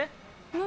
何？